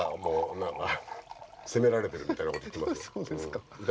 責められてるみたいなこと言ってますよ。